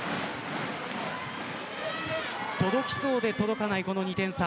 届きそうで届かないこの２点差。